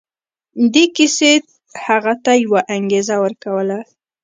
دې کيسې هغه ته يوه انګېزه ورکوله.